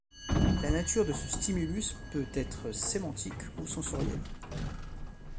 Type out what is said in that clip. La nature de ce stimulus peut être sémantique ou sensorielle.